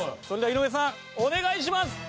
それでは井上さんお願いします！